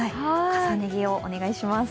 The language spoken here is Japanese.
重ね着をお願いします。